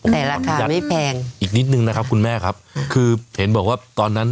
แต่ราคายังไม่แพงอีกนิดนึงนะครับคุณแม่ครับคือเห็นบอกว่าตอนนั้น